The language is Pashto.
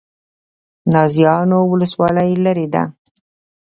نازیانو ولسوالۍ لیرې ده؟